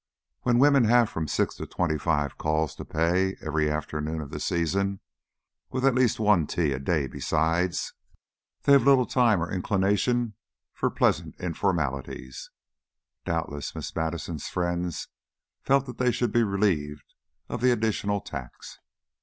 When women have from six to twenty five calls to pay every afternoon of the season, with at least one tea a day besides, they have little time or inclination for pleasant informalities. Doubtless Miss Madison's friends felt that they should be relieved of the additional tax.